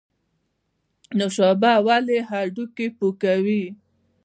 نوشابه ولې هډوکي پوکوي؟